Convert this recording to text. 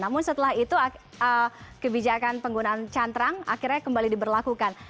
namun setelah itu kebijakan penggunaan cantrang akhirnya kembali diberlakukan